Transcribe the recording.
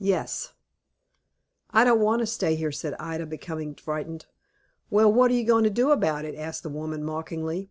"Yes." "I don't want to stay here," said Ida, becoming frightened. "Well, what are you going to do about it?" asked the woman, mockingly.